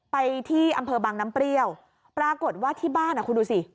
ไปที่อำเภอบางน้ำเปรี้ยวปรากฏว่าที่บ้านคุณดูสิ